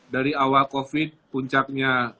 dari awal covid puncaknya